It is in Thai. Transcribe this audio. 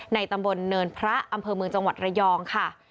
ตำบลเนินพระอำเภอเมืองจังหวัดระยองค่ะ